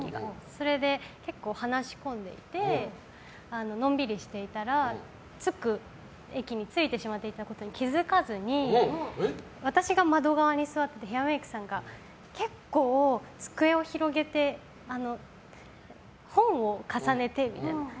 それで、結構話し込んでいてのんびりしていたら駅に着いてしまっていたことに気づかずに私が窓側に座っててヘアメイクさんが結構、机を広げて本を重ねてみたいな。